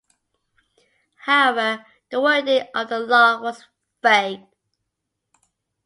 However, the wording of the new law was vague.